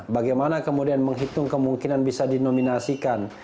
bagaimana kemudian menghitung kemungkinan bisa dinominasikan